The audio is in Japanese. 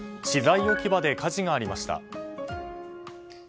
資材置き場で火事がありました。